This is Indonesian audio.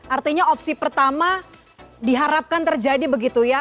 artinya opsi pertama diharapkan terjadi begitu ya